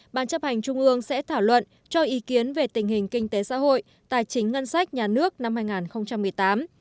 ban chấp hành trung ương sẽ thảo luận cho ý kiến về tình hình kinh tế xã hội tài chính ngân sách nhà nước năm hai nghìn một mươi tám